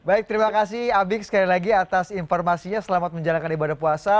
baik terima kasih abik sekali lagi atas informasinya selamat menjalankan ibadah puasa